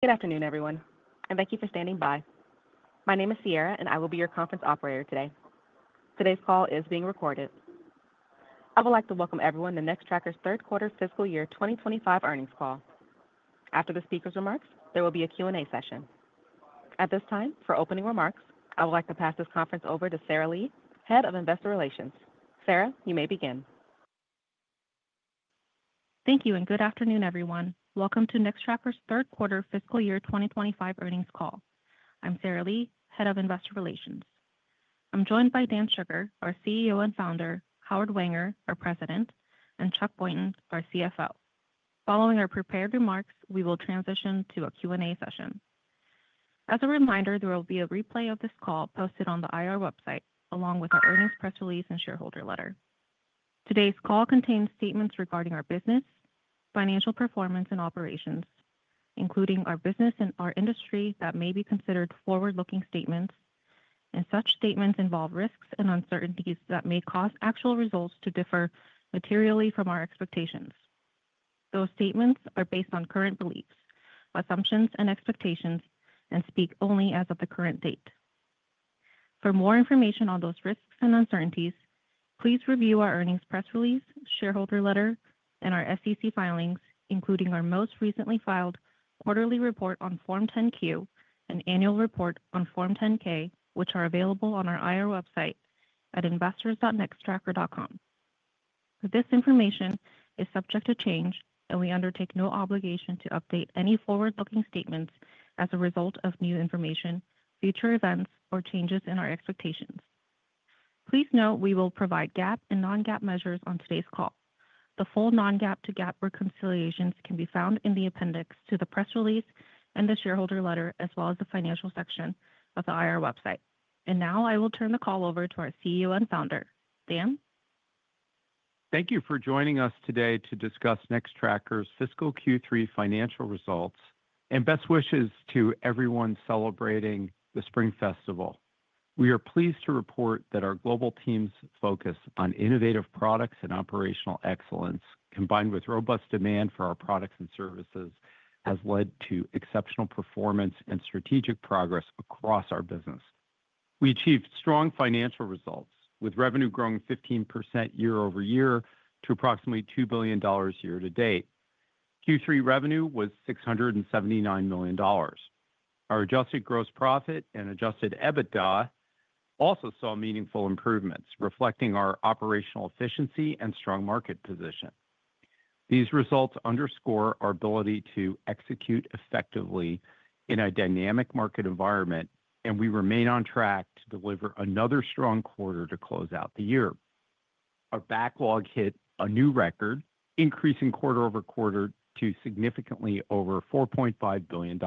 Good afternoon, everyone, and thank you for standing by. My name is Sierra, and I will be your conference operator today. Today's call is being recorded. I would like to welcome everyone to Nextracker's third-quarter fiscal year 2025 earnings call. After the speaker's remarks, there will be a Q&A session. At this time, for opening remarks, I would like to pass this conference over to Sarah Lee, Head of Investor Relations. Sarah, you may begin. Thank you, and good afternoon, everyone. Welcome to Nextracker's third-quarter fiscal year 2025 earnings call. I'm Sarah Lee, Head of Investor Relations. I'm joined by Dan Shugar, our CEO and founder, Howard Wenger, our President, and Chuck Boynton, our CFO. Following our prepared remarks, we will transition to a Q&A session. As a reminder, there will be a replay of this call posted on the IR website, along with our earnings press release and shareholder letter. Today's call contains statements regarding our business, financial performance, and operations, including our business and our industry that may be considered forward-looking statements, and such statements involve risks and uncertainties that may cause actual results to differ materially from our expectations. Those statements are based on current beliefs, assumptions, and expectations, and speak only as of the current date. For more information on those risks and uncertainties, please review our earnings press release, shareholder letter, and our SEC filings, including our most recently filed quarterly report on Form 10-Q and annual report on Form 10-K, which are available on our IR website at investors.nextracker.com. This information is subject to change, and we undertake no obligation to update any forward-looking statements as a result of new information, future events, or changes in our expectations. Please note we will provide GAAP and non-GAAP measures on today's call. The full non-GAAP to GAAP reconciliations can be found in the appendix to the press release and the shareholder letter, as well as the financial section of the IR website. Now I will turn the call over to our CEO and founder, Dan. Thank you for joining us today to discuss Nextracker's fiscal Q3 financial results and best wishes to everyone celebrating the Spring Festival. We are pleased to report that our global team's focus on innovative products and operational excellence, combined with robust demand for our products and services, has led to exceptional performance and strategic progress across our business. We achieved strong financial results, with revenue growing 15% year-over-year to approximately $2 billion year to date. Q3 revenue was $679 million. Our adjusted gross profit and adjusted EBITDA also saw meaningful improvements, reflecting our operational efficiency and strong market position. These results underscore our ability to execute effectively in a dynamic market environment, and we remain on track to deliver another strong quarter to close out the year. Our backlog hit a new record, increasing quarter-over-quarter to significantly over $4.5 billion.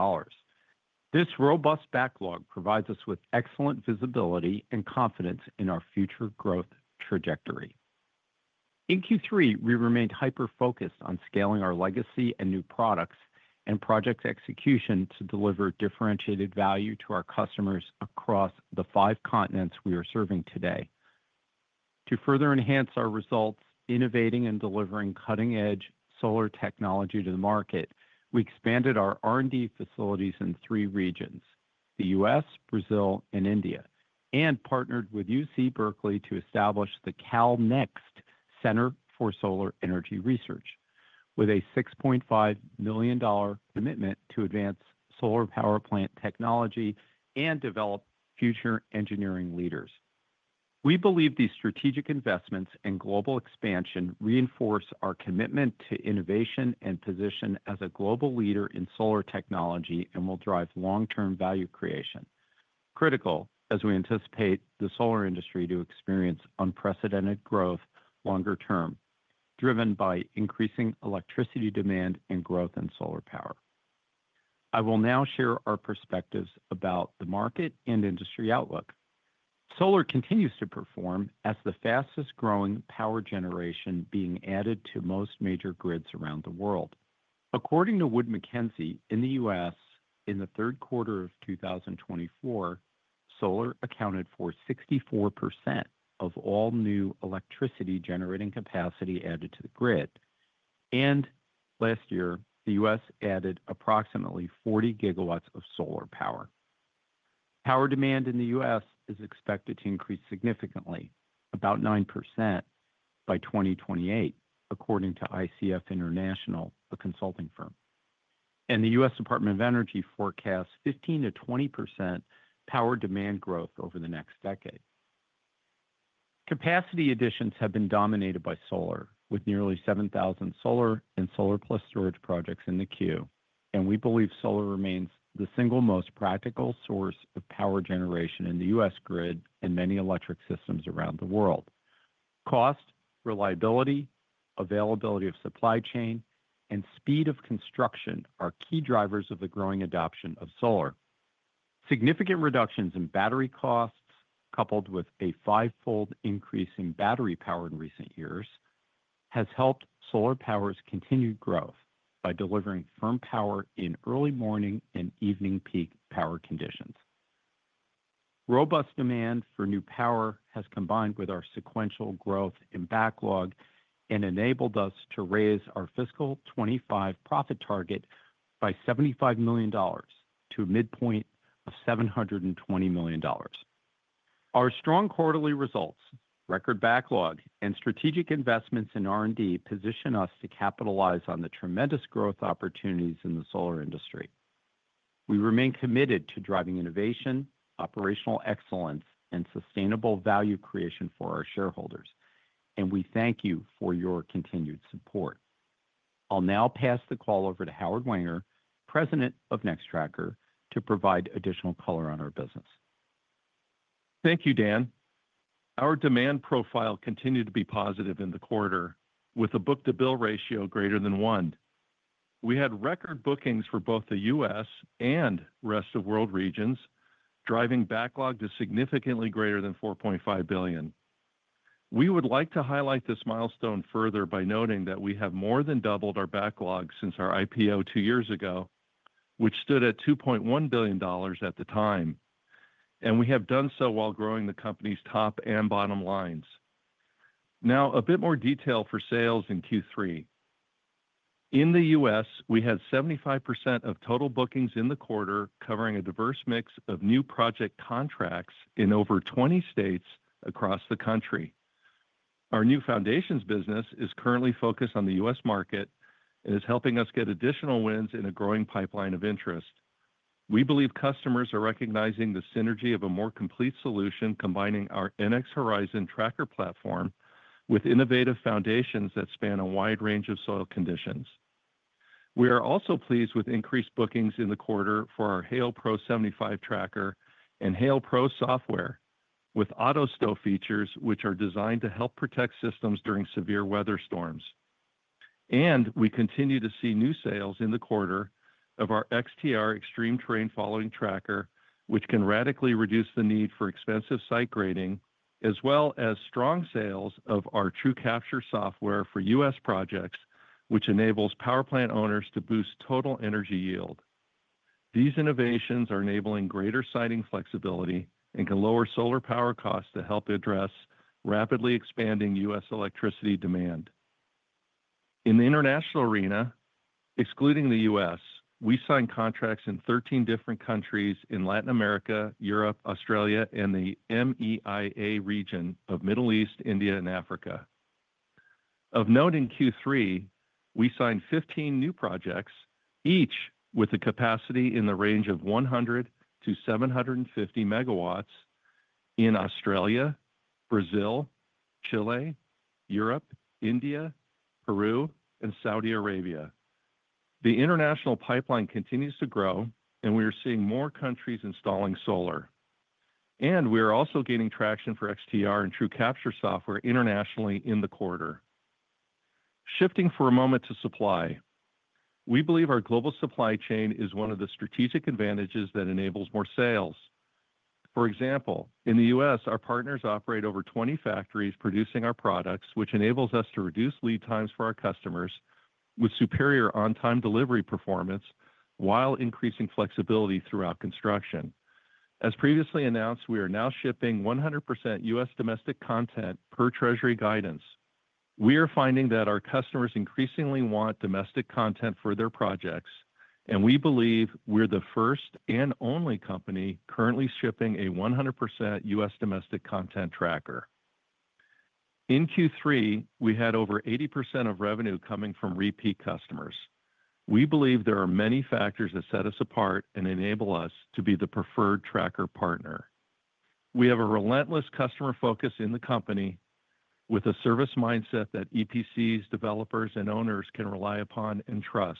This robust backlog provides us with excellent visibility and confidence in our future growth trajectory. In Q3, we remained hyper-focused on scaling our legacy and new products and project execution to deliver differentiated value to our customers across the five continents we are serving today. To further enhance our results, innovating and delivering cutting-edge solar technology to the market, we expanded our R&D facilities in three regions: the U.S., Brazil, and India, and partnered with UC Berkeley to establish the CalNext Center for Solar Energy Research, with a $6.5 million commitment to advance solar power plant technology and develop future engineering leaders. We believe these strategic investments and global expansion reinforce our commitment to innovation and position as a global leader in solar technology and will drive long-term value creation. Critical as we anticipate the solar industry to experience unprecedented growth longer term, driven by increasing electricity demand and growth in solar power. I will now share our perspectives about the market and industry outlook. Solar continues to perform as the fastest-growing power generation being added to most major grids around the world. According to Wood Mackenzie, in the U.S., in the third quarter of 2024, solar accounted for 64% of all new electricity generating capacity added to the grid, and last year, the U.S. added approximately 40 GW of solar power. Power demand in the U.S. is expected to increase significantly, about 9%, by 2028, according to ICF International, a consulting firm. And the U.S. Department of Energy forecasts 15%-20% power demand growth over the next decade. Capacity additions have been dominated by solar, with nearly 7,000 solar and solar-plus storage projects in the queue, and we believe solar remains the single most practical source of power generation in the U.S. grid and many electric systems around the world. Cost, reliability, availability of supply chain, and speed of construction are key drivers of the growing adoption of solar. Significant reductions in battery costs, coupled with a fivefold increase in battery power in recent years, have helped solar power's continued growth by delivering firm power in early morning and evening peak power conditions. Robust demand for new power has combined with our sequential growth in backlog and enabled us to raise our fiscal 2025 profit target by $75 million to a midpoint of $720 million. Our strong quarterly results, record backlog, and strategic investments in R&D position us to capitalize on the tremendous growth opportunities in the solar industry. We remain committed to driving innovation, operational excellence, and sustainable value creation for our shareholders, and we thank you for your continued support. I'll now pass the call over to Howard Wenger, President of Nextracker, to provide additional color on our business. Thank you, Dan. Our demand profile continued to be positive in the quarter, with a book-to-bill ratio greater than one. We had record bookings for both the U.S. and rest of world regions, driving backlog to significantly greater than $4.5 billion. We would like to highlight this milestone further by noting that we have more than doubled our backlog since our IPO two years ago, which stood at $2.1 billion at the time, and we have done so while growing the company's top and bottom lines. Now, a bit more detail for sales in Q3. In the U.S., we had 75% of total bookings in the quarter, covering a diverse mix of new project contracts in over 20 states across the country. Our new foundations business is currently focused on the U.S. market and is helping us get additional wins in a growing pipeline of interest. We believe customers are recognizing the synergy of a more complete solution combining our NX Horizon tracker platform with innovative foundations that span a wide range of soil conditions. We are also pleased with increased bookings in the quarter for our Hail Pro 75 tracker and Hail Pro software, with auto-stow features which are designed to help protect systems during severe weather storms. And we continue to see new sales in the quarter of our XTR extreme terrain following tracker, which can radically reduce the need for expensive site grading, as well as strong sales of our TrueCapture software for U.S. projects, which enables power plant owners to boost total energy yield. These innovations are enabling greater siting flexibility and can lower solar power costs to help address rapidly expanding U.S. electricity demand. In the international arena, excluding the U.S., we signed contracts in 13 different countries in Latin America, Europe, Australia, and the MEIA region of Middle East, India, and Africa. Of note in Q3, we signed 15 new projects, each with a capacity in the range of 100 MW-750 MW in Australia, Brazil, Chile, Europe, India, Peru, and Saudi Arabia. The international pipeline continues to grow, and we are seeing more countries installing solar. And we are also gaining traction for XTR and TrueCapture software internationally in the quarter. Shifting for a moment to supply, we believe our global supply chain is one of the strategic advantages that enables more sales. For example, in the U.S., our partners operate over 20 factories producing our products, which enables us to reduce lead times for our customers with superior on-time delivery performance while increasing flexibility throughout construction. As previously announced, we are now shipping 100% U.S. domestic content per Treasury guidance. We are finding that our customers increasingly want domestic content for their projects, and we believe we're the first and only company currently shipping a 100% U.S. domestic content tracker. In Q3, we had over 80% of revenue coming from repeat customers. We believe there are many factors that set us apart and enable us to be the preferred tracker partner. We have a relentless customer focus in the company with a service mindset that EPCs, developers, and owners can rely upon and trust.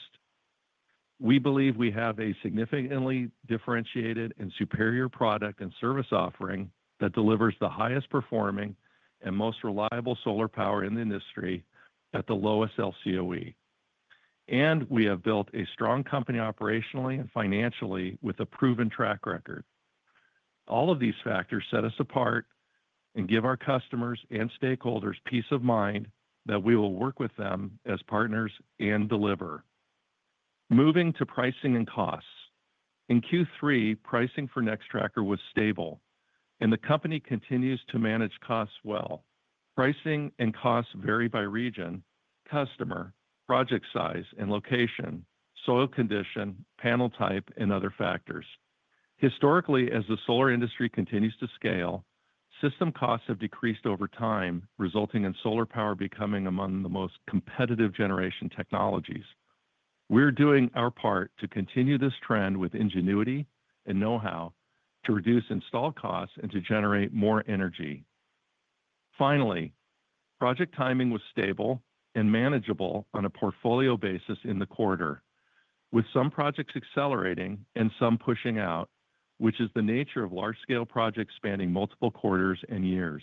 We believe we have a significantly differentiated and superior product and service offering that delivers the highest performing and most reliable solar power in the industry at the lowest LCOE, and we have built a strong company operationally and financially with a proven track record. All of these factors set us apart and give our customers and stakeholders peace of mind that we will work with them as partners and deliver. Moving to pricing and costs. In Q3, pricing for Nextracker was stable, and the company continues to manage costs well. Pricing and costs vary by region, customer, project size, and location, soil condition, panel type, and other factors. Historically, as the solar industry continues to scale, system costs have decreased over time, resulting in solar power becoming among the most competitive generation technologies. We're doing our part to continue this trend with ingenuity and know-how to reduce install costs and to generate more energy. Finally, project timing was stable and manageable on a portfolio basis in the quarter, with some projects accelerating and some pushing out, which is the nature of large-scale projects spanning multiple quarters and years.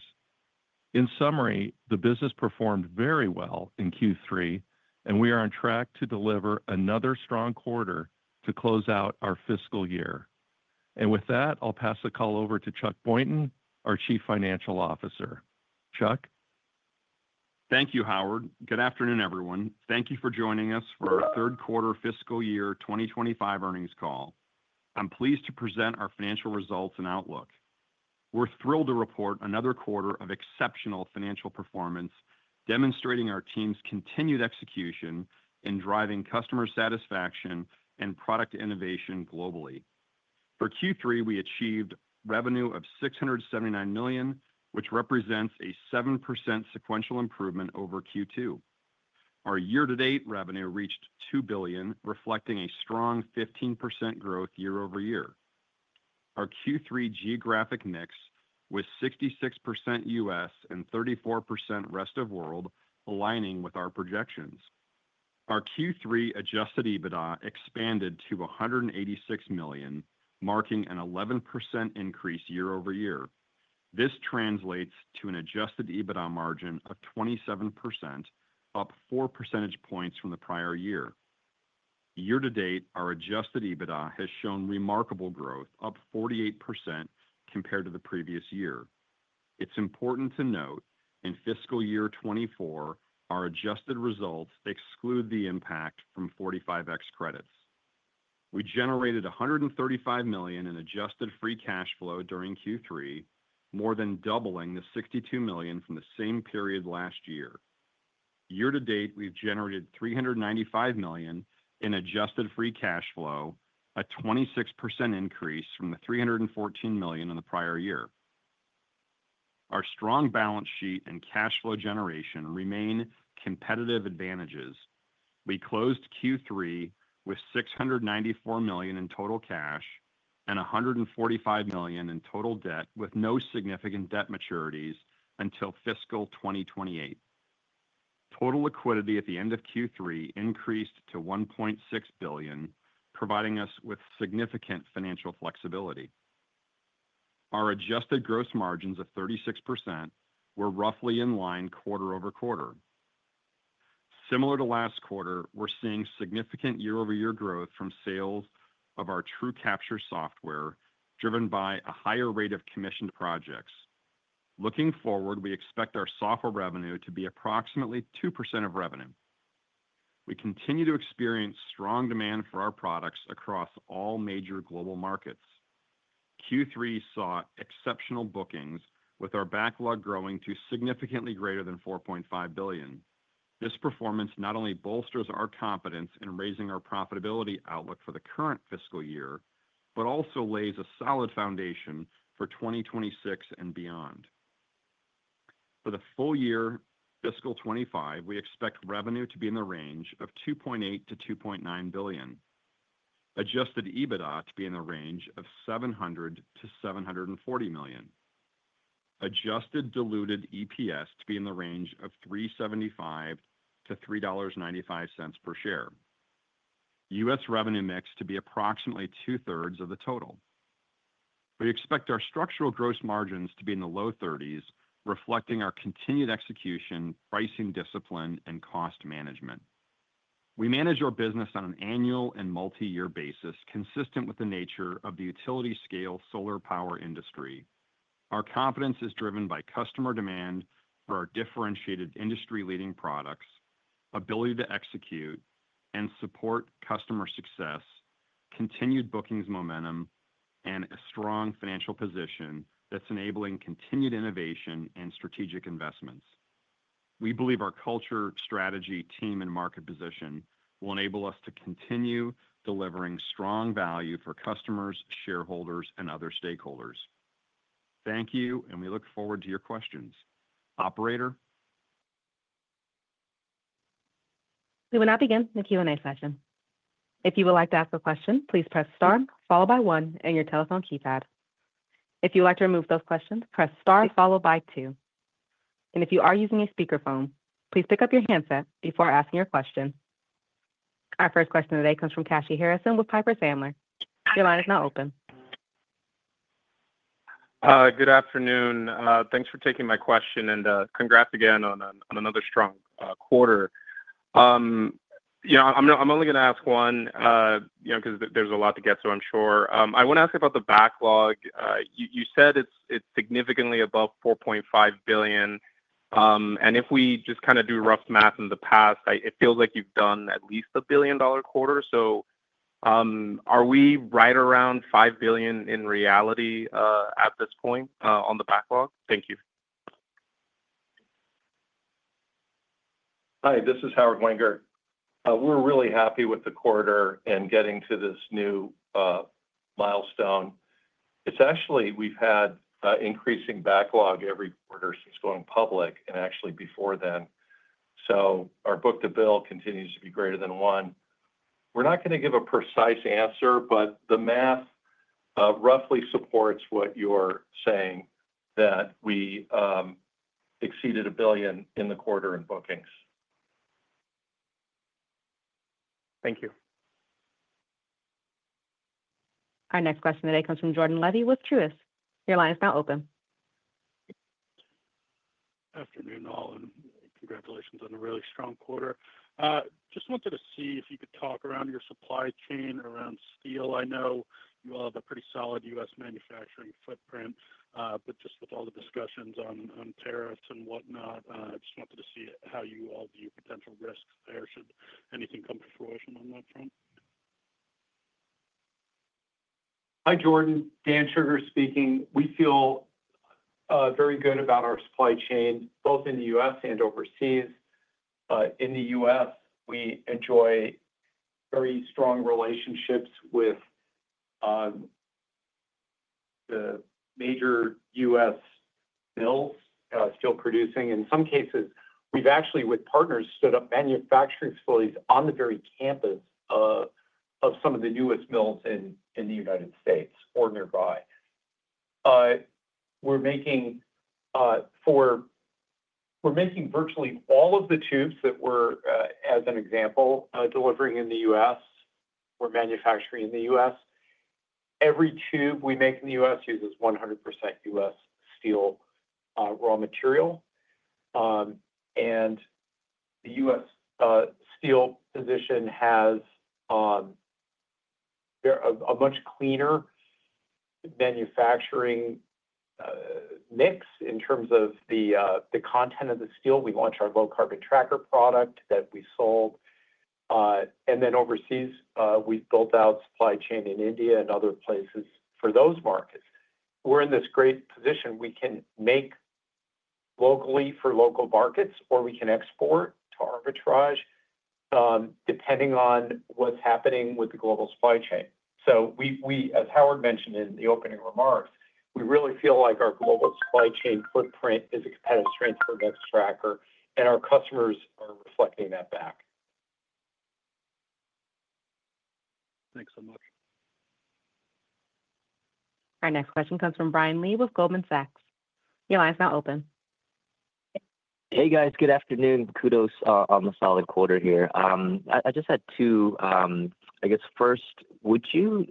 In summary, the business performed very well in Q3, and we are on track to deliver another strong quarter to close out our fiscal year, and with that, I'll pass the call over to Chuck Boynton, our Chief Financial Officer. Chuck. Thank you, Howard. Good afternoon, everyone. Thank you for joining us for our third quarter fiscal year 2025 earnings call. I'm pleased to present our financial results and outlook. We're thrilled to report another quarter of exceptional financial performance, demonstrating our team's continued execution in driving customer satisfaction and product innovation globally. For Q3, we achieved revenue of $679 million, which represents a 7% sequential improvement over Q2. Our year-to-date revenue reached $2 billion, reflecting a strong 15% growth year-over-year. Our Q3 geographic mix was 66% U.S. and 34% rest of world, aligning with our projections. Our Q3 Adjusted EBITDA expanded to $186 million, marking an 11% increase year-over-year. This translates to an Adjusted EBITDA margin of 27%, up 4 percentage points from the prior year. Year-to-date, our Adjusted EBITDA has shown remarkable growth, up 48% compared to the previous year. It's important to note in fiscal year 2024, our adjusted results exclude the impact from 45X credits. We generated $135 million in adjusted free cash flow during Q3, more than doubling the $62 million from the same period last year. Year-to-date, we've generated $395 million in adjusted free cash flow, a 26% increase from the $314 million in the prior year. Our strong balance sheet and cash flow generation remain competitive advantages. We closed Q3 with $694 million in total cash and $145 million in total debt, with no significant debt maturities until fiscal 2028. Total liquidity at the end of Q3 increased to $1.6 billion, providing us with significant financial flexibility. Our adjusted gross margins of 36% were roughly in line quarter-over-quarter. Similar to last quarter, we're seeing significant year-over-year growth from sales of our TrueCapture software, driven by a higher rate of commissioned projects. Looking forward, we expect our software revenue to be approximately 2% of revenue. We continue to experience strong demand for our products across all major global markets. Q3 saw exceptional bookings, with our backlog growing to significantly greater than $4.5 billion. This performance not only bolsters our confidence in raising our profitability outlook for the current fiscal year, but also lays a solid foundation for 2026 and beyond. For the full year fiscal 2025, we expect revenue to be in the range of $2.8 billion-$2.9 billion, Adjusted EBITDA to be in the range of $700 million-$740 million, adjusted diluted EPS to be in the range of $3.75-$3.95 per share, U.S. revenue mix to be approximately two-thirds of the total. We expect our structural gross margins to be in the low 30s, reflecting our continued execution, pricing discipline, and cost management. We manage our business on an annual and multi-year basis, consistent with the nature of the utility-scale solar power industry. Our confidence is driven by customer demand for our differentiated industry-leading products, ability to execute and support customer success, continued bookings momentum, and a strong financial position that's enabling continued innovation and strategic investments. We believe our culture, strategy, team, and market position will enable us to continue delivering strong value for customers, shareholders, and other stakeholders. Thank you, and we look forward to your questions. Operator. We will now begin the Q&A session. If you would like to ask a question, please press star, followed by one, and your telephone keypad. If you would like to remove those questions, press star, followed by two. And if you are using a speakerphone, please pick up your handset before asking your question. Our first question today comes from Kashy Harrison with Piper Sandler. Your line is now open. Good afternoon. Thanks for taking my question, and congrats again on another strong quarter. You know, I'm only going to ask one, you know, because there's a lot to get, so I'm sure. I want to ask about the backlog. You said it's significantly above $4.5 billion. And if we just kind of do rough math in the past, it feels like you've done at least a billion-dollar quarter. So are we right around $5 billion in reality at this point on the backlog? Thank you. Hi, this is Howard Wenger. We're really happy with the quarter and getting to this new milestone. It's actually we've had increasing backlog every quarter since going public and actually before then. So our book-to-bill continues to be greater than one. We're not going to give a precise answer, but the math roughly supports what you're saying, that we exceeded $1 billion in the quarter in bookings. Thank you. Our next question today comes from Jordan Levy with Truist. Your line is now open. Good afternoon, all, and congratulations on a really strong quarter. Just wanted to see if you could talk around your supply chain around steel. I know you all have a pretty solid U.S. manufacturing footprint, but just with all the discussions on tariffs and whatnot, I just wanted to see how you all view potential risks there should anything come to fruition on that front? Hi, Jordan. Dan Shugar speaking. We feel very good about our supply chain, both in the U.S. and overseas. In the U.S., we enjoy very strong relationships with the major U.S. mills still producing. In some cases, we've actually, with partners, stood up manufacturing facilities on the very campus of some of the newest mills in the United States or nearby. We're making virtually all of the tubes that we're, as an example, delivering in the U.S. We're manufacturing in the U.S. Every tube we make in the U.S. uses 100% U.S. steel raw material. And the U.S. steel position has a much cleaner manufacturing mix in terms of the content of the steel. We launched our low-carbon tracker product that we sold. And then overseas, we've built out supply chain in India and other places for those markets. We're in this great position. We can make locally for local markets, or we can export to arbitrage, depending on what's happening with the global supply chain. So we, as Howard mentioned in the opening remarks, we really feel like our global supply chain footprint is a competitive strength for Nextracker, and our customers are reflecting that back. Thanks so much. Our next question comes from Brian Lee with Goldman Sachs. Your line is now open. Hey, guys. Good afternoon. Kudos on the solid quarter here. I just had two, I guess, first, would you,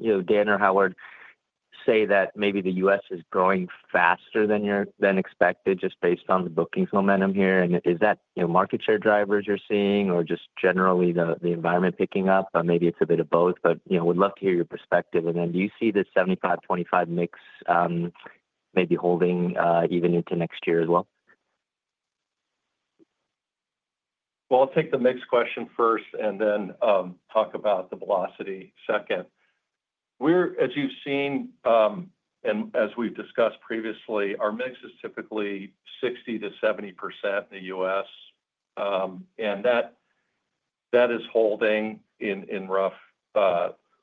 you know, Dan or Howard, say that maybe the U.S. is growing faster than expected, just based on the bookings momentum here? And is that market share drivers you're seeing, or just generally the environment picking up? Maybe it's a bit of both, but we'd love to hear your perspective. And then do you see the 75-25 mix maybe holding even into next year as well? Well, I'll take the mix question first and then talk about the velocity second. We're, as you've seen and as we've discussed previously, our mix is typically 60%-70% in the U.S., and that is holding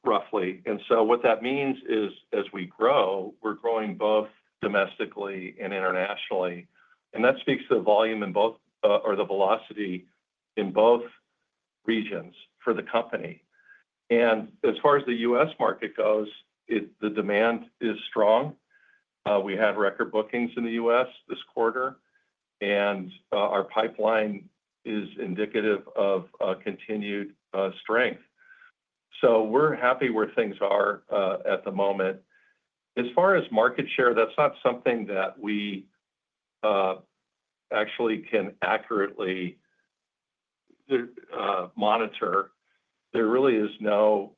roughly. And so what that means is, as we grow, we're growing both domestically and internationally. And that speaks to the volume in both or the velocity in both regions for the company. And as far as the U.S. market goes, the demand is strong. We had record bookings in the U.S. this quarter, and our pipeline is indicative of continued strength. So we're happy where things are at the moment. As far as market share, that's not something that we actually can accurately monitor. There really is no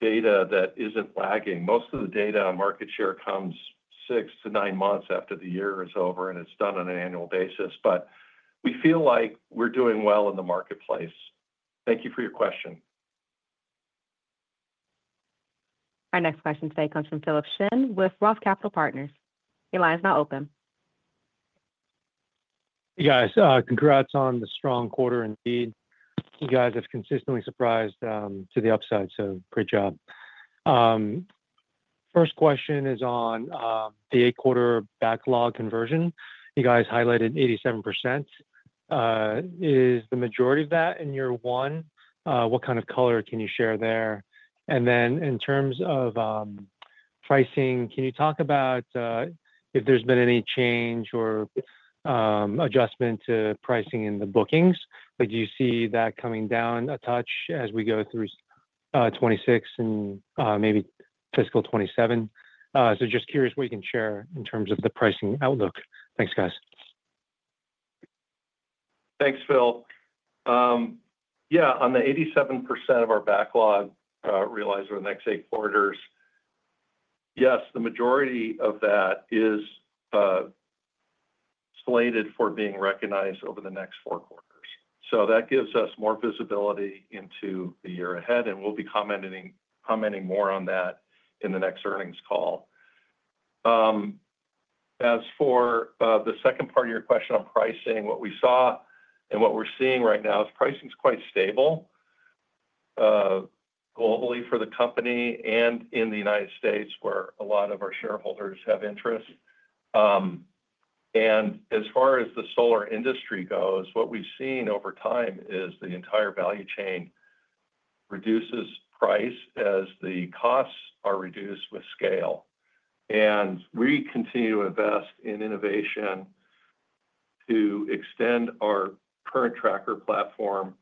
data that isn't lagging. Most of the data on market share comes six to nine months after the year is over, and it's done on an annual basis. But we feel like we're doing well in the marketplace. Thank you for your question. Our next question today comes from Philip Shen with Roth Capital Partners. Your line is now open. Yeah, congrats on the strong quarter indeed. You guys have consistently surprised to the upside, so great job. First question is on the eight-quarter backlog conversion. You guys highlighted 87%. Is the majority of that in year one? What kind of color can you share there? And then in terms of pricing, can you talk about if there's been any change or adjustment to pricing in the bookings? Do you see that coming down a touch as we go through 2026 and maybe fiscal 2027? So just curious what you can share in terms of the pricing outlook. Thanks, guys. Thanks, Phil. Yeah, on the 87% of our backlog realize over the next eight quarters, yes, the majority of that is slated for being recognized over the next four quarters. So that gives us more visibility into the year ahead, and we'll be commenting more on that in the next earnings call. As for the second part of your question on pricing, what we saw and what we're seeing right now is pricing's quite stable globally for the company and in the United States, where a lot of our shareholders have interest, and as far as the solar industry goes, what we've seen over time is the entire value chain reduces price as the costs are reduced with scale. We continue to invest in innovation to extend our current tracker platform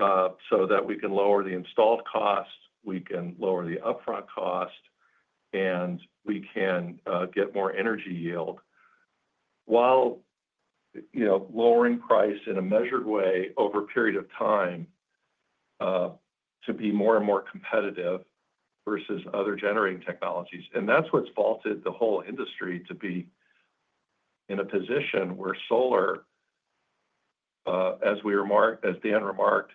so that we can lower the installed cost, we can lower the upfront cost, and we can get more energy yield while lowering price in a measured way over a period of time to be more and more competitive versus other generating technologies. That's what's vaulted the whole industry to be in a position where solar, as we remarked, as Dan remarked,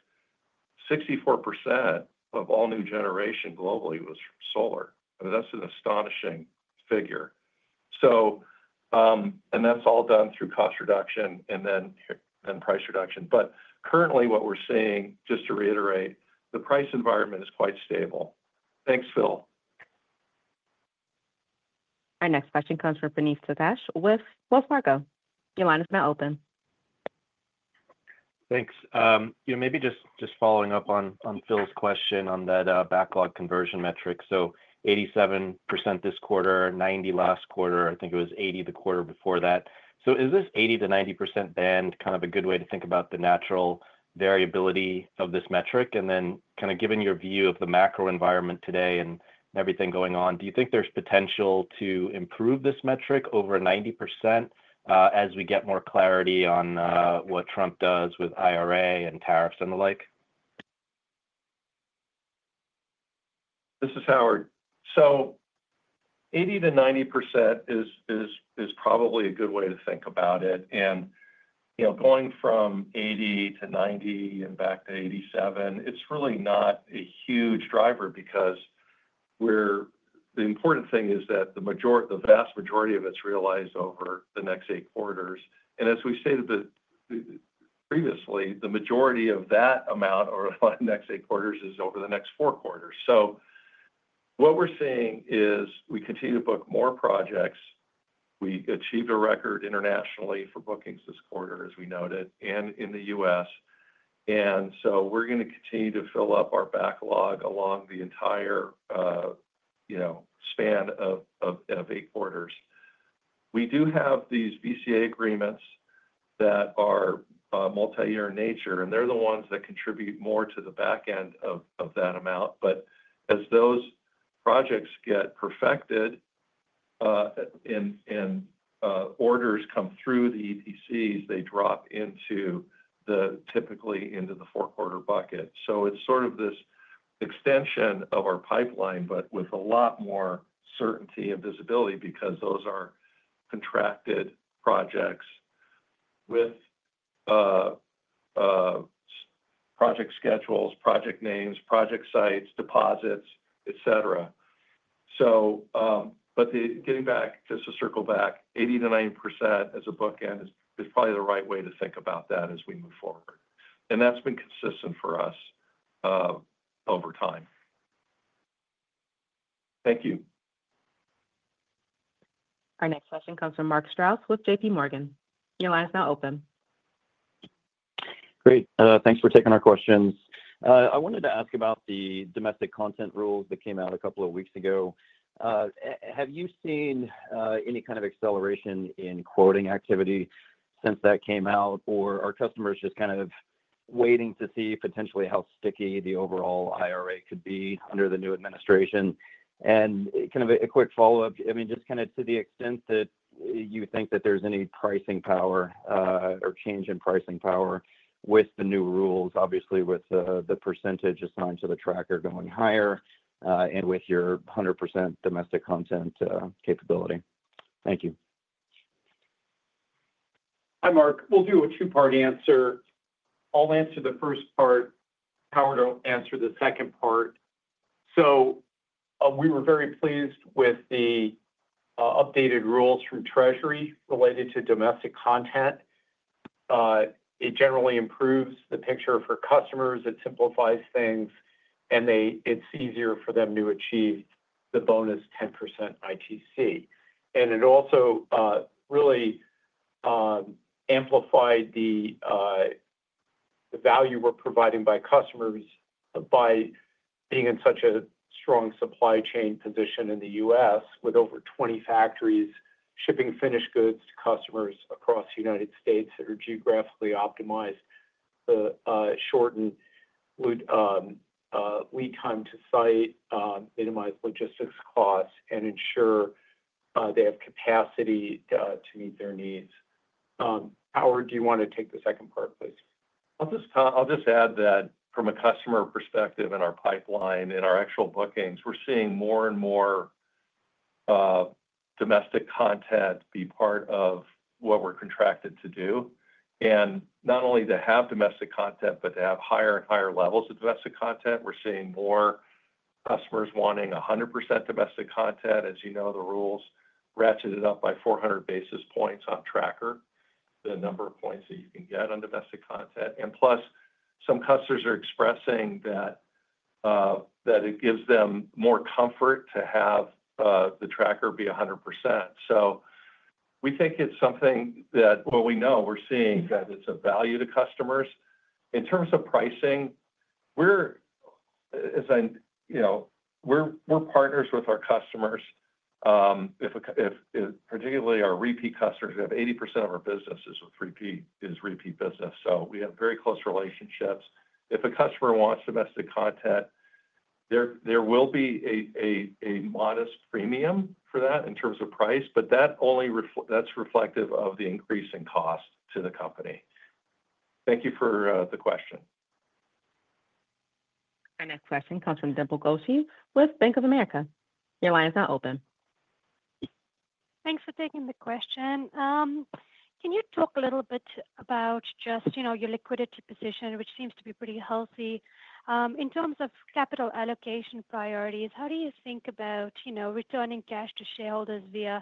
64% of all new generation globally was solar. I mean, that's an astonishing figure. That's all done through cost reduction and then price reduction. Currently, what we're seeing, just to reiterate, the price environment is quite stable. Thanks, Phil. Our next question comes from Praneeth Satish with Wells Fargo. Your line is now open. Thanks. You know, maybe just following up on Phil's question on that backlog conversion metric. So 87% this quarter, 90% last quarter. I think it was 80% the quarter before that. So is this 80%-90% band kind of a good way to think about the natural variability of this metric? And then kind of given your view of the macro environment today and everything going on, do you think there's potential to improve this metric over 90% as we get more clarity on what Trump does with IRA and tariffs and the like? This is Howard. 80%-90% is probably a good way to think about it. Going from 80%-90% and back to 87%, it's really not a huge driver because the important thing is that the vast majority of it's realized over the next eight quarters. As we stated previously, the majority of that amount over the next eight quarters is over the next four quarters. What we're seeing is we continue to book more projects. We achieved a record internationally for bookings this quarter, as we noted, and in the U.S. We're going to continue to fill up our backlog along the entire span of eight quarters. We do have these VCA agreements that are multi-year in nature, and they're the ones that contribute more to the back end of that amount. But as those projects get perfected and orders come through the EPCs, they drop into, typically, the four-quarter bucket. So it's sort of this extension of our pipeline, but with a lot more certainty and visibility because those are contracted projects with project schedules, project names, project sites, deposits, et cetera. But getting back, just to circle back, 80%-90% as a bookend is probably the right way to think about that as we move forward. And that's been consistent for us over time. Thank you. Our next question comes from Mark Strouse with JPMorgan. Your line is now open. Great. Thanks for taking our questions. I wanted to ask about the domestic content rules that came out a couple of weeks ago. Have you seen any kind of acceleration in quoting activity since that came out, or are customers just kind of waiting to see potentially how sticky the overall IRA could be under the new administration? And kind of a quick follow-up, I mean, just kind of to the extent that you think that there's any pricing power or change in pricing power with the new rules, obviously with the percentage assigned to the tracker going higher and with your 100% domestic content capability? Thank you. Hi, Mark. We'll do a two-part answer. I'll answer the first part. Howard will answer the second part. We were very pleased with the updated rules from Treasury related to domestic content. It generally improves the picture for customers. It simplifies things, and it's easier for them to achieve the bonus 10% ITC. It also really amplified the value we're providing to customers by being in such a strong supply chain position in the U.S. with over 20 factories shipping finished goods to customers across the United States that are geographically optimized to shorten lead time to site, minimize logistics costs, and ensure they have capacity to meet their needs. Howard, do you want to take the second part, please? I'll just add that from a customer perspective in our pipeline, in our actual bookings, we're seeing more and more domestic content be part of what we're contracted to do. And not only to have domestic content, but to have higher and higher levels of domestic content. We're seeing more customers wanting 100% domestic content. As you know, the rules ratchet it up by 400 basis points on tracker, the number of points that you can get on domestic content. And plus, some customers are expressing that it gives them more comfort to have the tracker be 100%. So we think it's something that, well, we know we're seeing that it's of value to customers. In terms of pricing, we're partners with our customers, particularly our repeat customers who have 80% of our business is repeat business. So we have very close relationships. If a customer wants domestic content, there will be a modest premium for that in terms of price, but that's reflective of the increase in cost to the company. Thank you for the question. Our next question comes from Dimple Gosai with Bank of America. Your line is now open. Thanks for taking the question. Can you talk a little bit about just your liquidity position, which seems to be pretty healthy? In terms of capital allocation priorities, how do you think about returning cash to shareholders via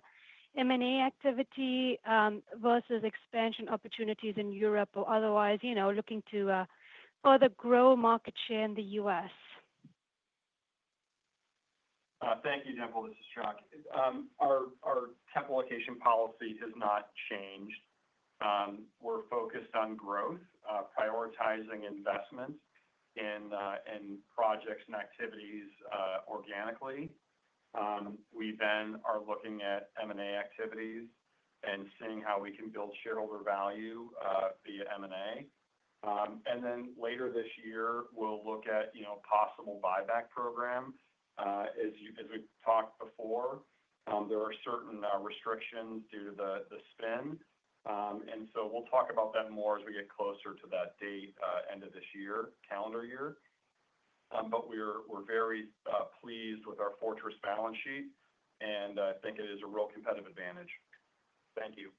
M&A activity versus expansion opportunities in Europe or otherwise, looking to further grow market share in the U.S.? Thank you, Dimple. This is Chuck. Our capital allocation policy has not changed. We're focused on growth, prioritizing investments in projects and activities organically. We then are looking at M&A activities and seeing how we can build shareholder value via M&A. And then later this year, we'll look at possible buyback programs. As we've talked before, there are certain restrictions due to the spin. And so we'll talk about that more as we get closer to that date, end of this year, calendar year. But we're very pleased with our fortress balance sheet, and I think it is a real competitive advantage. Thank you.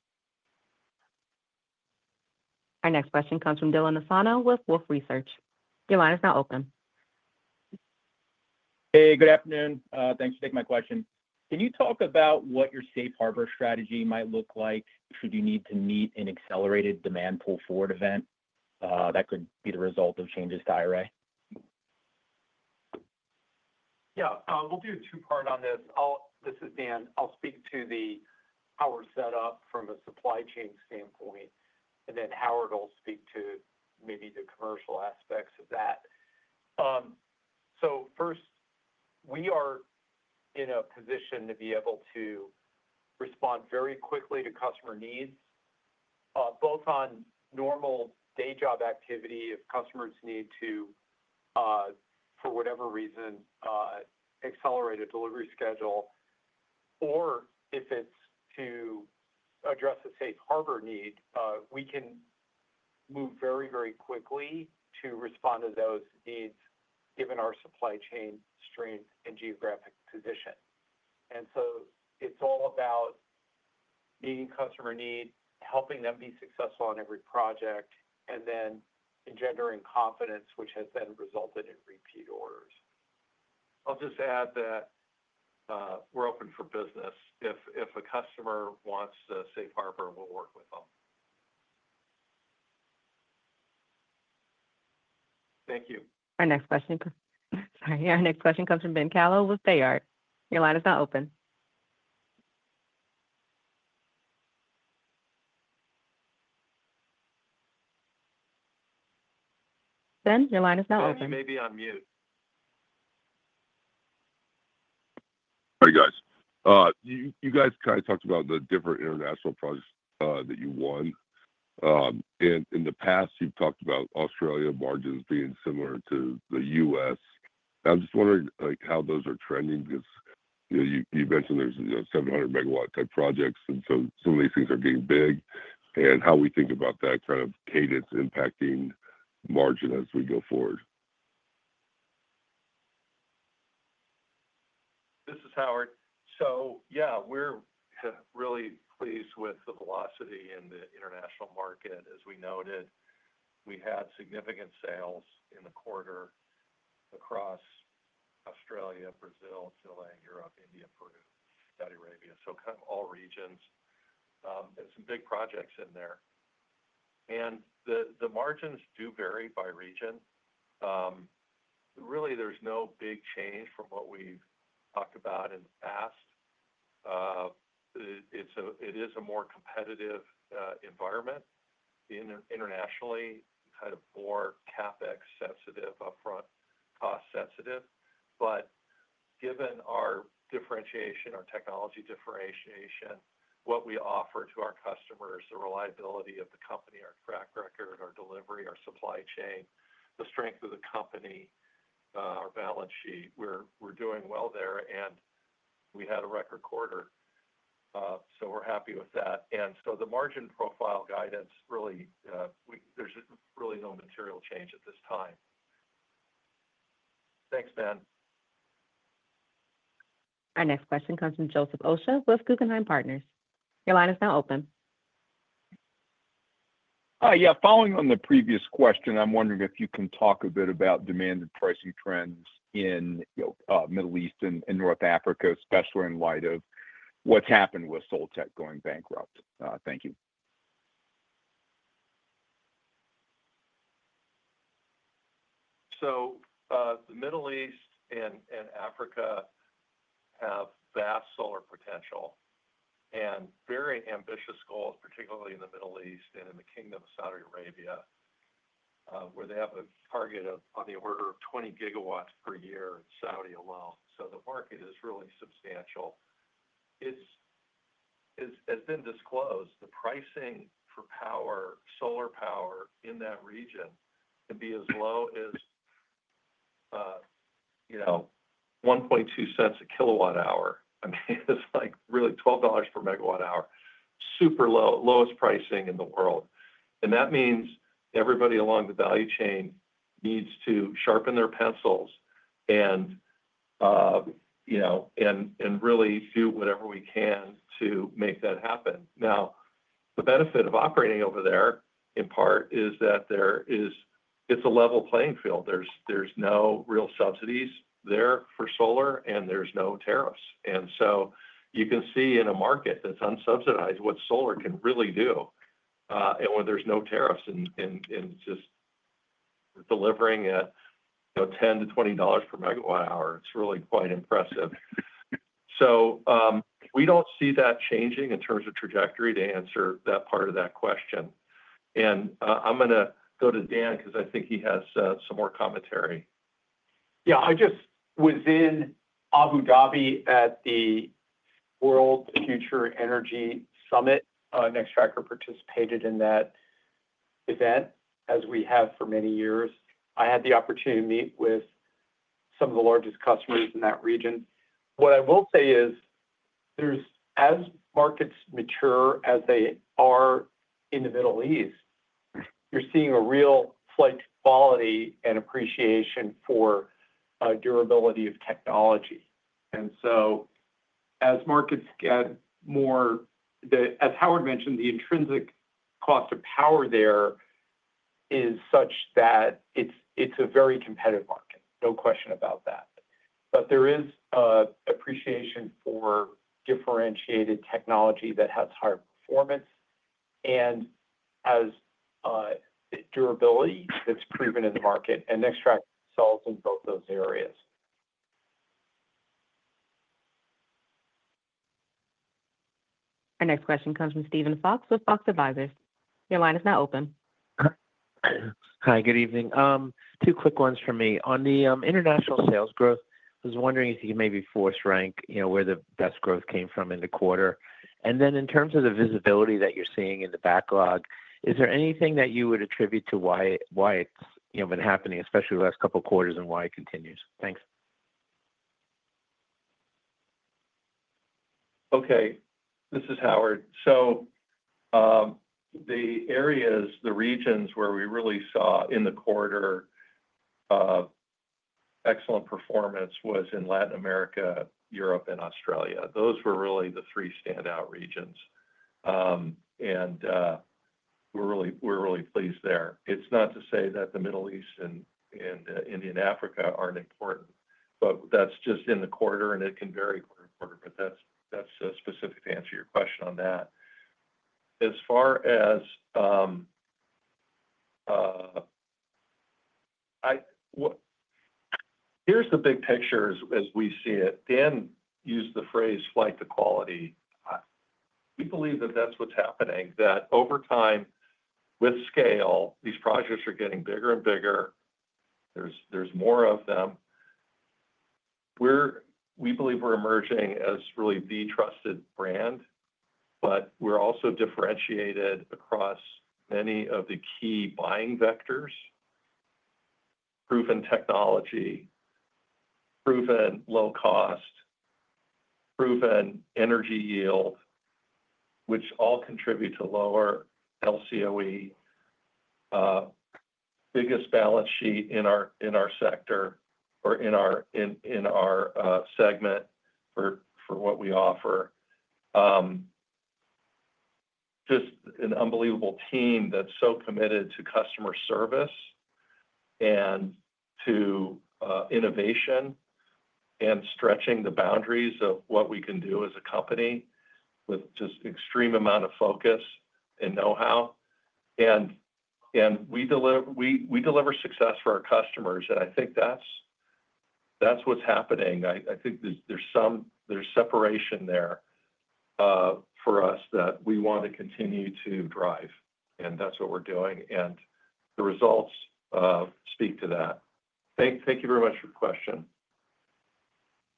Our next question comes from Dylan Nassano with Wolfe Research. Your line is now open. Hey, good afternoon. Thanks for taking my question. Can you talk about what your safe harbor strategy might look like should you need to meet an accelerated demand pull forward event that could be the result of changes to IRA? Yeah. We'll do a two-part on this. This is Dan. I'll speak to how we're set up from a supply chain standpoint, and then Howard will speak to maybe the commercial aspects of that. So first, we are in a position to be able to respond very quickly to customer needs, both on normal day job activity if customers need to, for whatever reason, accelerate a delivery schedule, or if it's to address a safe harbor need. We can move very, very quickly to respond to those needs given our supply chain strength and geographic position. And so it's all about meeting customer needs, helping them be successful on every project, and then engendering confidence, which has then resulted in repeat orders. I'll just add that we're open for business. If a customer wants a safe harbor, we'll work with them. Thank you. Our next question comes from Ben Kallo with Baird. Your line is now open. Ben, your line is now open. You may be on mute. Hi, guys. You guys kind of talked about the different international projects that you won. In the past, you've talked about Australia margins being similar to the U.S. I'm just wondering how those are trending because you mentioned there's 700 MW type projects, and so some of these things are getting big, and how we think about that kind of cadence impacting margin as we go forward? This is Howard. So yeah, we're really pleased with the velocity in the international market. As we noted, we had significant sales in the quarter across Australia, Brazil, Chile, Europe, India, Peru, Saudi Arabia, so kind of all regions. There's some big projects in there. And the margins do vary by region. Really, there's no big change from what we've talked about and asked. It is a more competitive environment internationally, kind of more CapEx sensitive, upfront cost sensitive. But given our differentiation, our technology differentiation, what we offer to our customers, the reliability of the company, our track record, our delivery, our supply chain, the strength of the company, our balance sheet, we're doing well there. And we had a record quarter, so we're happy with that. And so the margin profile guidance, really, there's really no material change at this time. Thanks, Ben. Our next question comes from Joseph Osha with Guggenheim Partners. Your line is now open. Yeah. Following on the previous question, I'm wondering if you can talk a bit about demand and pricing trends in the Middle East and North Africa, especially in light of what's happened with Soltec going bankrupt? Thank you. The Middle East and Africa have vast solar potential and very ambitious goals, particularly in the Middle East and in the Kingdom of Saudi Arabia, where they have a target of on the order of 20 gigawatts per year in Saudi alone. The market is really substantial. As has been disclosed, the pricing for solar power in that region can be as low as $0.012 a kilowatt-hour. I mean, it's like really $12 per megawatt-hour. Super lowest pricing in the world. That means everybody along the value chain needs to sharpen their pencils and really do whatever we can to make that happen. Now, the benefit of operating over there, in part, is that it's a level playing field. There's no real subsidies there for solar, and there's no tariffs. You can see in a market that's unsubsidized what solar can really do. And when there's no tariffs and just delivering at $10-$20 per megawatt-hour, it's really quite impressive. So we don't see that changing in terms of trajectory to answer that part of that question. And I'm going to go to Dan because I think he has some more commentary. Yeah. I just was in Abu Dhabi at the World Future Energy Summit. Nextracker participated in that event as we have for many years. I had the opportunity to meet with some of the largest customers in that region. What I will say is, as markets mature as they are in the Middle East, you're seeing a real flight to quality and appreciation for durability of technology, and so as markets get more, as Howard mentioned, the intrinsic cost of power there is such that it's a very competitive market, no question about that, but there is appreciation for differentiated technology that has higher performance and has durability that's proven in the market, and Nextracker excels in both those areas. Our next question comes from Steven Fox with Fox Advisors. Your line is now open. Hi, good evening. Two quick ones for me. On the international sales growth, I was wondering if you could maybe force rank where the best growth came from in the quarter. And then in terms of the visibility that you're seeing in the backlog, is there anything that you would attribute to why it's been happening, especially the last couple of quarters, and why it continues? Thanks. Okay. This is Howard. So the areas, the regions where we really saw in the quarter excellent performance was in Latin America, Europe, and Australia. Those were really the three standout regions. And we're really pleased there. It's not to say that the Middle East and India and Africa aren't important, but that's just in the quarter, and it can vary quarter-to-quarter. But that's specific to answer your question on that. As far as, here's the big picture as we see it. Dan used the phrase flight to quality. We believe that that's what's happening, that over time with scale, these projects are getting bigger and bigger. There's more of them. We believe we're emerging as really the trusted brand, but we're also differentiated across many of the key buying vectors: proven technology, proven low cost, proven energy yield, which all contribute to lower LCOE, biggest balance sheet in our sector or in our segment for what we offer. Just an unbelievable team that's so committed to customer service and to innovation and stretching the boundaries of what we can do as a company with just an extreme amount of focus and know-how, and we deliver success for our customers, and I think that's what's happening. I think there's separation there for us that we want to continue to drive, and that's what we're doing, and the results speak to that. Thank you very much for the question.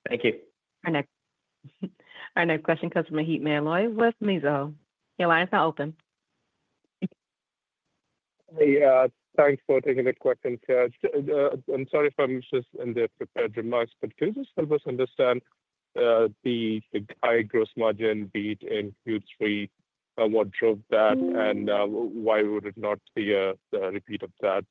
Thank you. Our next question comes from Maheep Mandloi with Mizuho. Your line is now open. Hey, thanks for taking the question, Sir. I'm sorry if I'm just in the prepared remarks, but could you just help us understand the high gross margin beat in Q3, what drove that, and why would it not be a repeat of that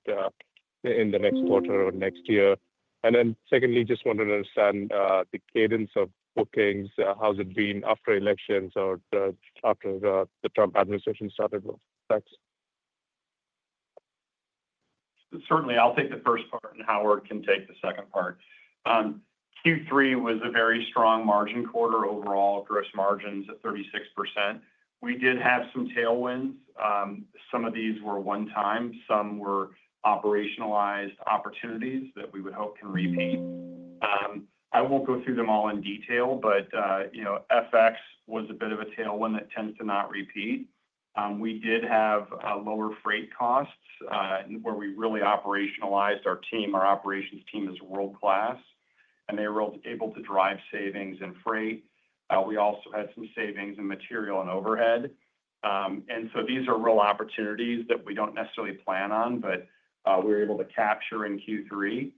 in the next quarter or next year? And then secondly, just want to understand the cadence of bookings. How's it been after elections or after the Trump administration started? Thanks. Certainly, I'll take the first part, and Howard can take the second part. Q3 was a very strong margin quarter overall, gross margins at 36%. We did have some tailwinds. Some of these were one-time. Some were operationalized opportunities that we would hope can repeat. I won't go through them all in detail, but FX was a bit of a tailwind that tends to not repeat. We did have lower freight costs where we really operationalized our team. Our operations team is world-class, and they were able to drive savings in freight. We also had some savings in material and overhead. And so these are real opportunities that we don't necessarily plan on, but we were able to capture in Q3.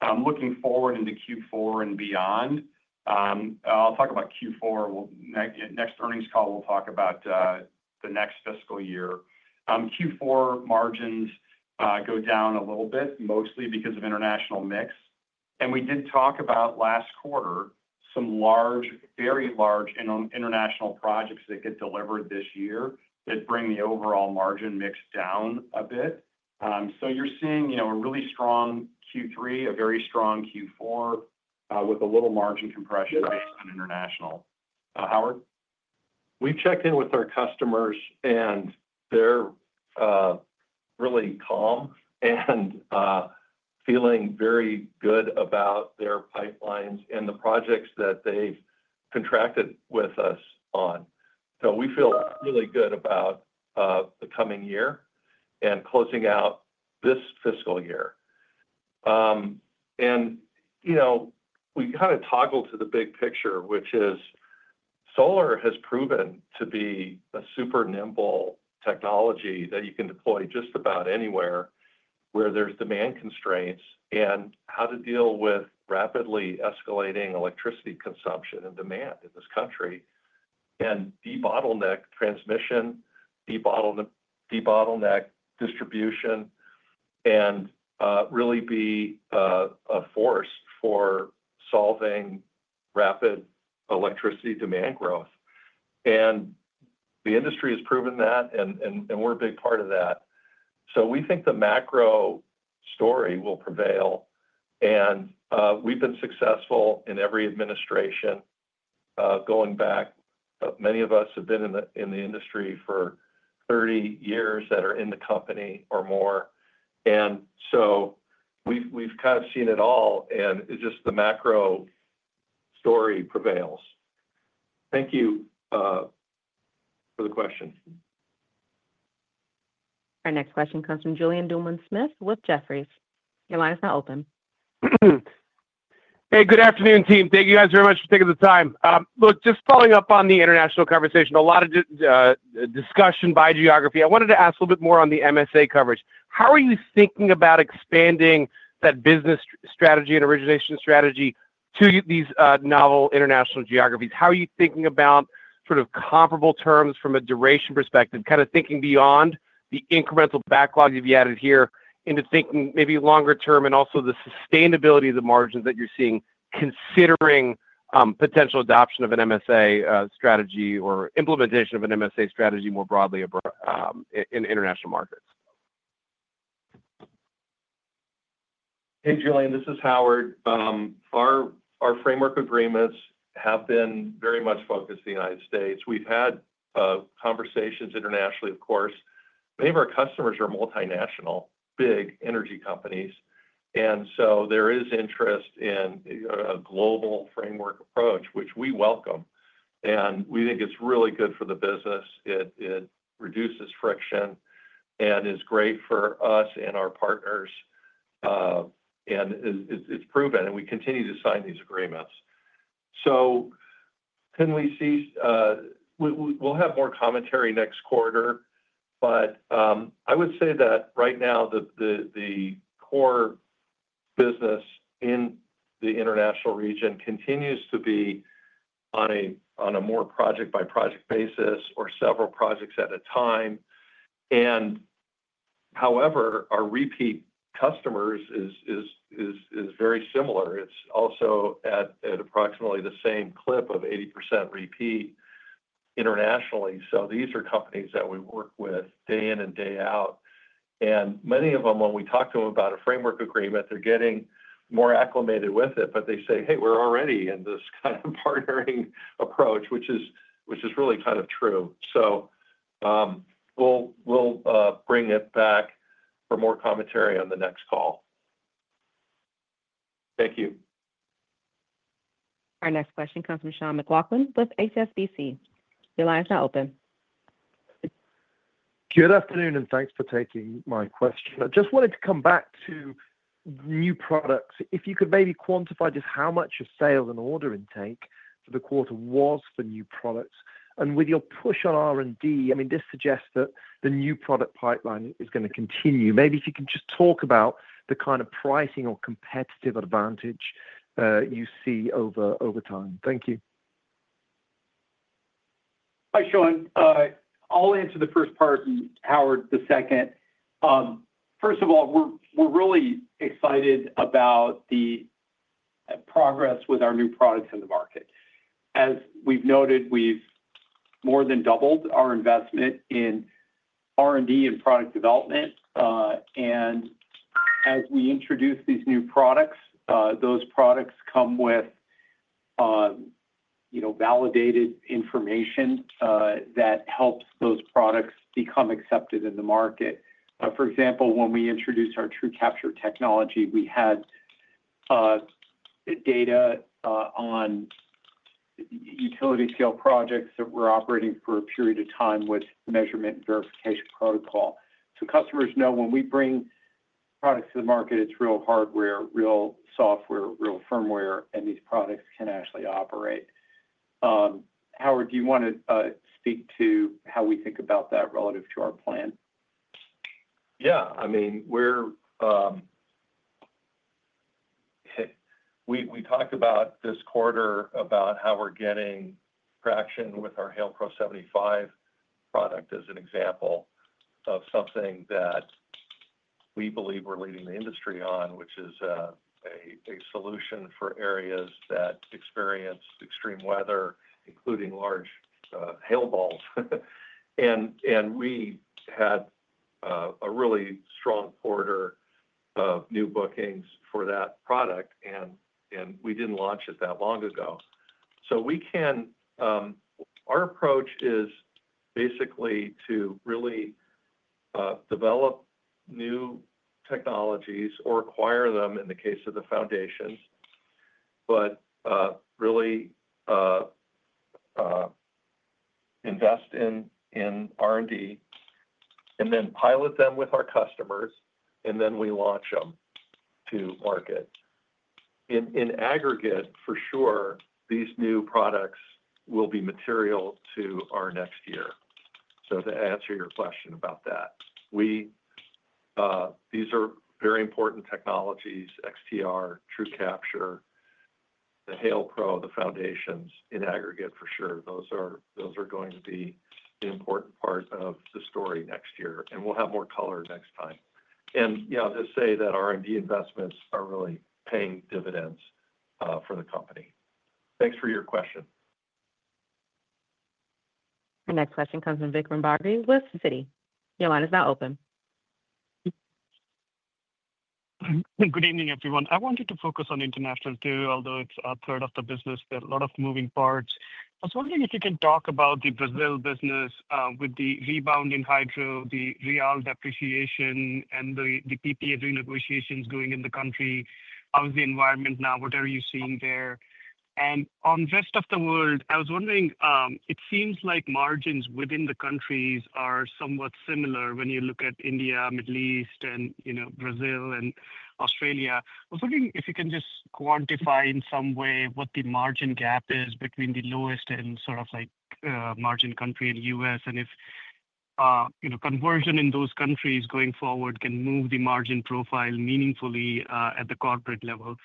I'm looking forward into Q4 and beyond. I'll talk about Q4. Next earnings call, we'll talk about the next fiscal year. Q4 margins go down a little bit, mostly because of international mix. We did talk about last quarter, some large, very large international projects that get delivered this year that bring the overall margin mix down a bit. So you're seeing a really strong Q3, a very strong Q4 with a little margin compression based on international. Howard? We've checked in with our customers, and they're really calm and feeling very good about their pipelines and the projects that they've contracted with us on. So we feel really good about the coming year and closing out this fiscal year, and we kind of toggle to the big picture, which is solar has proven to be a super nimble technology that you can deploy just about anywhere where there's demand constraints and how to deal with rapidly escalating electricity consumption and demand in this country and debottleneck transmission, debottleneck distribution, and really be a force for solving rapid electricity demand growth. And the industry has proven that, and we're a big part of that, so we think the macro story will prevail, and we've been successful in every administration going back. Many of us have been in the industry for 30 years that are in the company or more. And so we've kind of seen it all, and it's just the macro story prevails. Thank you for the question. Our next question comes from Julien Dumoulin-Smith with Jefferies. Your line is now open. Hey, good afternoon, team. Thank you guys very much for taking the time. Look, just following up on the international conversation, a lot of discussion by geography. I wanted to ask a little bit more on the MSA coverage. How are you thinking about expanding that business strategy and origination strategy to these novel international geographies? How are you thinking about sort of comparable terms from a duration perspective, kind of thinking beyond the incremental backlog you've added here into thinking maybe longer term and also the sustainability of the margins that you're seeing considering potential adoption of an MSA strategy or implementation of an MSA strategy more broadly in international markets? Hey, Julien, this is Howard. Our framework agreements have been very much focused on the United States. We've had conversations internationally, of course. Many of our customers are multinational, big energy companies. And so there is interest in a global framework approach, which we welcome. And we think it's really good for the business. It reduces friction and is great for us and our partners. And it's proven, and we continue to sign these agreements. So you can see we'll have more commentary next quarter, but I would say that right now, the core business in the international region continues to be on a more project-by-project basis or several projects at a time. And however, our repeat customers is very similar. It's also at approximately the same clip of 80% repeat internationally. So these are companies that we work with day in and day out. Many of them, when we talk to them about a framework agreement, they're getting more acclimated with it, but they say, "Hey, we're already in this kind of partnering approach," which is really kind of true. We'll bring it back for more commentary on the next call. Thank you. Our next question comes from Sean McLoughlin with HSBC. Your line is now open. Good afternoon, and thanks for taking my question. I just wanted to come back to new products. If you could maybe quantify just how much of sales and order intake for the quarter was for new products? And with your push on R&D, I mean, this suggests that the new product pipeline is going to continue. Maybe if you can just talk about the kind of pricing or competitive advantage you see over time? Thank you. Hi, Sean. I'll answer the first part, and Howard the second. First of all, we're really excited about the progress with our new products in the market. As we've noted, we've more than doubled our investment in R&D and product development. And as we introduce these new products, those products come with validated information that helps those products become accepted in the market. For example, when we introduced our TrueCapture technology, we had data on utility-scale projects that were operating for a period of time with measurement and verification protocol. So customers know when we bring products to the market, it's real hardware, real software, real firmware, and these products can actually operate. Howard, do you want to speak to how we think about that relative to our plan? Yeah. I mean, we talked about this quarter about how we're getting traction with our Hail Pro 75 product as an example of something that we believe we're leading the industry on, which is a solution for areas that experience extreme weather, including large hail balls, and we had a really strong quarter of new bookings for that product, and we didn't launch it that long ago, so our approach is basically to really develop new technologies or acquire them in the case of the foundations, but really invest in R&D, and then pilot them with our customers, and then we launch them to market. In aggregate, for sure, these new products will be material to our next year, so to answer your question about that, these are very important technologies: XTR, TrueCapture, the Hail Pro, the foundations in aggregate, for sure. Those are going to be an important part of the story next year, and we'll have more color next time. And I'll just say that R&D investments are really paying dividends for the company. Thanks for your question. Our next question comes from Vikram Bagri with Citi. Your line is now open. Good evening, everyone. I wanted to focus on international too, although it's a third of the business. There are a lot of moving parts. I was wondering if you can talk about the Brazil business with the rebound in hydro, the real depreciation, and the PPA renegotiations going in the country. How is the environment now? What are you seeing there? And on the rest of the world, I was wondering, it seems like margins within the countries are somewhat similar when you look at India, Middle East, and Brazil and Australia. I was wondering if you can just quantify in some way what the margin gap is between the lowest and highest margin country and U.S., and if conversion in those countries going forward can move the margin profile meaningfully at the corporate level.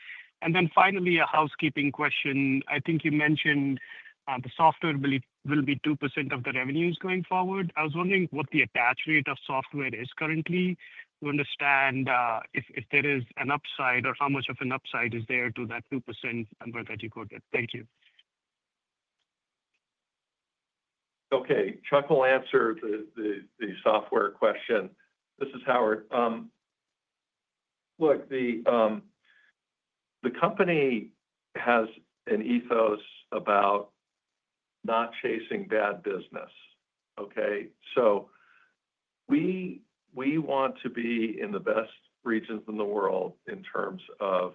And then finally, a housekeeping question. I think you mentioned the software will be 2% of the revenues going forward. I was wondering what the attach rate of software is currently? We understand if there is an upside or how much of an upside is there to that 2% number that you quoted? Thank you. Okay. Chuck will answer the software question. This is Howard. Look, the company has an ethos about not chasing bad business, okay? So we want to be in the best regions in the world in terms of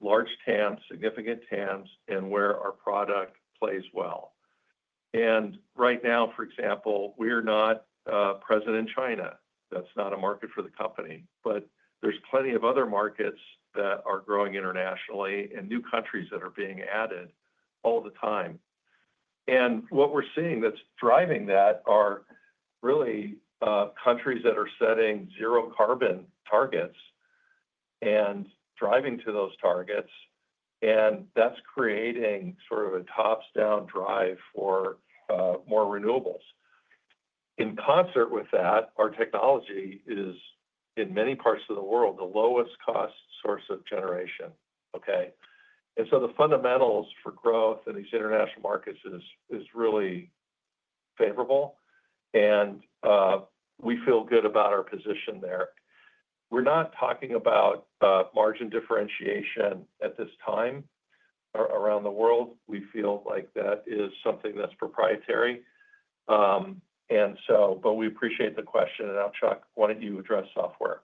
large TAMs, significant TAMs, and where our product plays well. And right now, for example, we're not present in China. That's not a market for the company. But there's plenty of other markets that are growing internationally and new countries that are being added all the time. And what we're seeing that's driving that are really countries that are setting zero-carbon targets and driving to those targets, and that's creating sort of a top-down drive for more renewables. In concert with that, our technology is, in many parts of the world, the lowest-cost source of generation, okay? And so the fundamentals for growth in these international markets is really favorable, and we feel good about our position there. We're not talking about margin differentiation at this time around the world. We feel like that is something that's proprietary. But we appreciate the question. And now, Chuck, why don't you address software?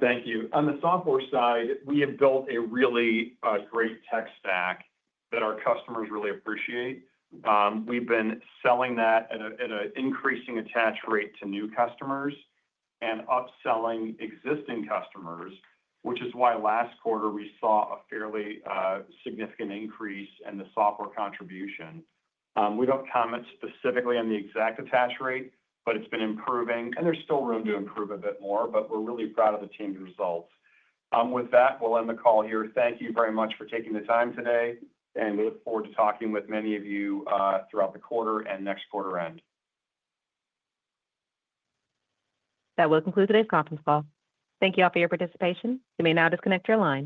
Thank you. On the software side, we have built a really great tech stack that our customers really appreciate. We've been selling that at an increasing attach rate to new customers and upselling existing customers, which is why last quarter we saw a fairly significant increase in the software contribution. We don't comment specifically on the exact attach rate, but it's been improving, and there's still room to improve a bit more, but we're really proud of the team's results. With that, we'll end the call here. Thank you very much for taking the time today, and we look forward to talking with many of you throughout the quarter and next quarter end. That will conclude today's conference call. Thank you all for your participation. You may now disconnect your line.